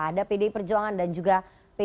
ada pdi perjuangan dan juga p tiga